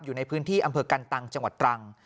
อยู่ในพื้นที่อำเภอกันตังจังหวัดตรัง